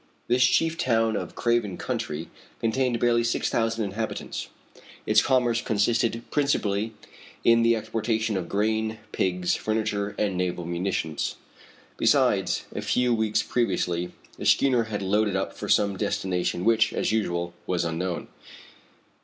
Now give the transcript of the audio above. This chief town of Craven County contained barely six thousand inhabitants. Its commerce consisted principally in the exportation of grain, pigs, furniture, and naval munitions. Besides, a few weeks previously, the schooner had loaded up for some destination which, as usual, was unknown.